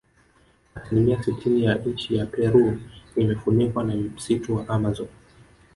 Asilimia sitini ya nchi ya Peru imefunikwa na msitu wa Amazon